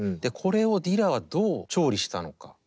これをディラはどう調理したのか。